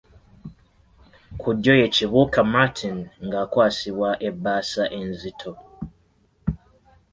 Ku ddyo ye Kibuuka Martin nga akwasibwa ebbaasa enzito.